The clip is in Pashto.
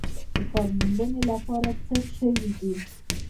د کار موندنې لپاره څه شوي دي؟